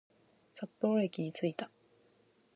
札幌駅に着いた